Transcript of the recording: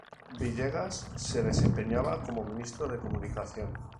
Villegas se desempeñaba como Ministro de Comunicación.